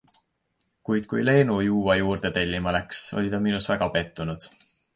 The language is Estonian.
Kuid kui Leenu juua juurde tellima läks, oli ta minus väga pettunud.